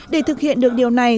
để thực hiện được điều này